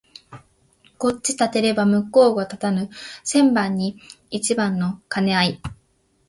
こっちを立てれば向こうが立たぬ千番に一番の兼合い